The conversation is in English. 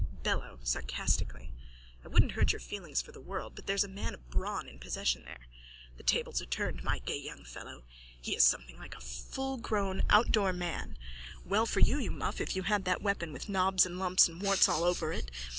BELLO: (Sarcastically.) I wouldn't hurt your feelings for the world but there's a man of brawn in possession there. The tables are turned, my gay young fellow! He is something like a fullgrown outdoor man. Well for you, you muff, if you had that weapon with knobs and lumps and warts all over it.